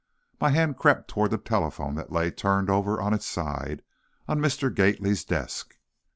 My hand crept toward the telephone that lay, turned over on its side, on Mr. Gately's desk.